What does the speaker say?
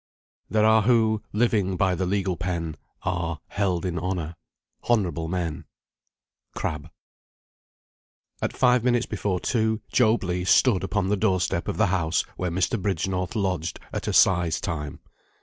"There are who, living by the legal pen, Are held in honour honourable men." CRABBE. At five minutes before two, Job Legh stood upon the door step of the house where Mr. Bridgenorth lodged at Assize time.